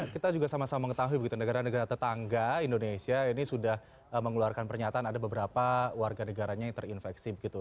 kita juga sama sama mengetahui begitu negara negara tetangga indonesia ini sudah mengeluarkan pernyataan ada beberapa warga negaranya yang terinfeksi begitu